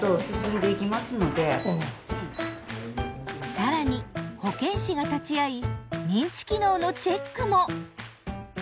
更に保健師が立ち会い認知機能のチェックも！